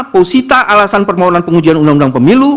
posita alasan permohonan pengujian undang undang pemilu